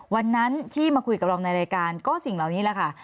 วันนั้นที่มาคุยกับเราในรายการก็สิ่งเหล่านี้แหละค่ะ